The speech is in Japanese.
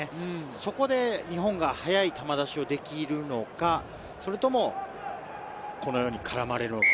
そこで日本が速い球出しをできるのか、それともこのように絡まれるのか。